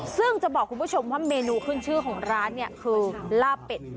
ซึ่งจะบอกคุณผู้ชมว่าเมนูขึ้นชื่อของร้านเนี่ยคือลาบเป็ด